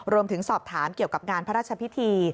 รวมถึงสอบถามเกี่ยวกับงานพระราชพิธี